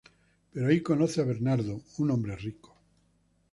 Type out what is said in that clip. Pero ahí conoce a Bernardo un hombre rico.